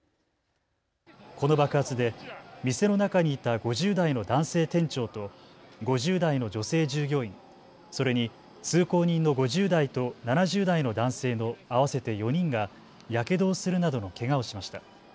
この爆発で店の中にいた５０代の男性店長と５０代の女性従業員、それに通行人の５０代と７０代の男性の合わせて４人がやけどをするなどのけがをしました。